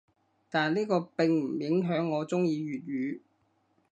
但呢個並唔影響我中意粵語‘